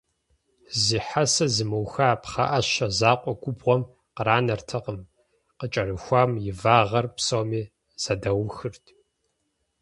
Зи хьэсэ зымыуха пхъэӀэщэ закъуэ губгъуэм къранэртэкъым, къыкӀэрыхуам и вагъэр псоми зэдаухырт.